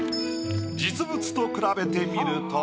実物と比べてみると。